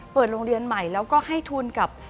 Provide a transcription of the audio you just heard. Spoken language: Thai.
เปิดโรงเรียนใหม่แล้วก็ให้ทุนกับ